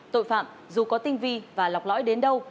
tội phạm dù có tinh vi và lọc lõi đến đâu